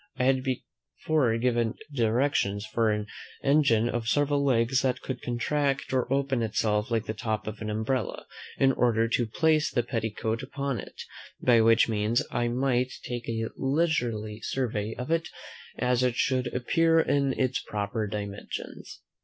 I had before given directions for an engine of several legs that could contract or open itself like the top of an umbrella, in order to place the petticoat upon it, by which means I might take a leisurely survey of it, as it should appear in its proper dimensions.